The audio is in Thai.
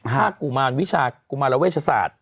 กุมารวิชากุมารเวชศาสตร์